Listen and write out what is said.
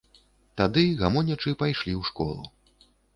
Тады, гамонячы, пайшлі ў школу.